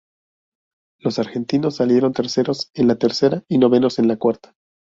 Los argentinos salieron terceros en la tercera y novenos en la cuarta.